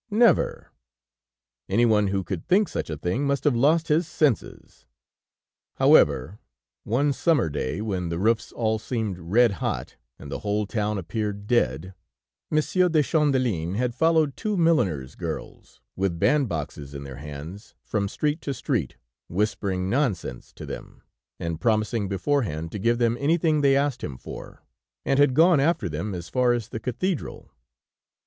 Never! Anyone who could think such a thing must have lost his senses. However, one summer day, when the roofs all seemed red hot, and the whole town appeared dead, Monsieur de Champdelin had followed two milliner's girls, with bandboxes in their hands from street to street, whispering nonsense to them, and promising beforehand to give them anything they asked him for, and had gone after them as far as the Cathedral.